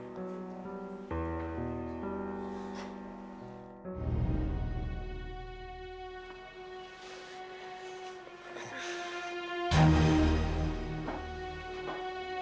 mau kemana lo